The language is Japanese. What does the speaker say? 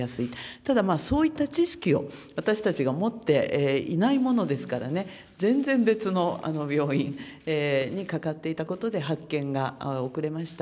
ただそういった知識を私たちが持っていないものですからね、全然、別の病院にかかっていたことで、発見が遅れました。